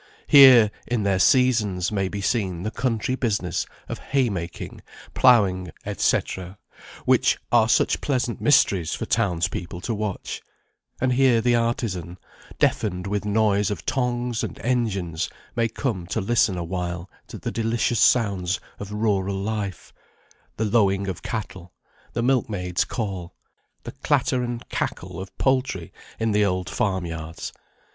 Here in their seasons may be seen the country business of hay making, ploughing, &c., which are such pleasant mysteries for townspeople to watch; and here the artisan, deafened with noise of tongues and engines, may come to listen awhile to the delicious sounds of rural life: the lowing of cattle, the milk maids' call, the clatter and cackle of poultry in the old farm yards.